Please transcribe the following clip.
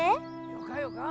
よかよか。